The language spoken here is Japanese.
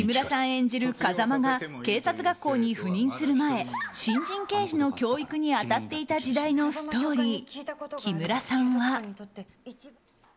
演じる風間が警察学校に赴任する前新人刑事の教育に当たっていた時代のストーリー。